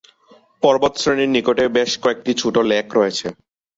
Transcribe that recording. পর্বতশ্রেণীর নিকটে বেশ কয়েকটি ছোট লেক রয়েছে।